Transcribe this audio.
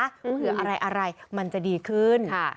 เหลืออะไรอะไรมันจะดีขึ้น